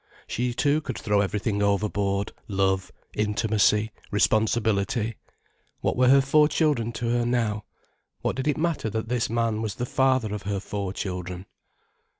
She too could throw everything overboard, love, intimacy, responsibility. What were her four children to her now? What did it matter that this man was the father of her four children?